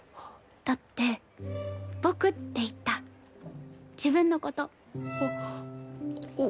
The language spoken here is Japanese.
だって「僕」って言った自分の事。